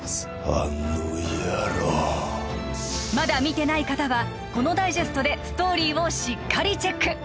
あの野郎まだ見てない方はこのダイジェストでストーリーをしっかりチェック